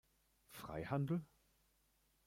Freihandel?